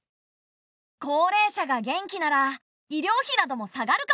高齢者が元気なら医療費なども下がるかもしれないよね。